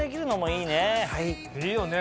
いいよね